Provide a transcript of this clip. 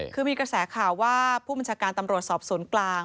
คือมีกระแสข่าวว่าผู้บัญชาการตำรวจสอบสวนกลาง